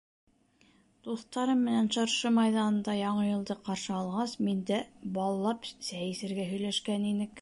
Дуҫтарым менән шыршы майҙанында Яңы йылды ҡаршы алғас, миндә баллап сәй эсергә һөйләшкән инек.